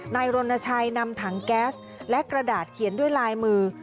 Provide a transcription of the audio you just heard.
นายรณชัยนำถังแก๊สและกระดาษเขียนด้วยลายมือ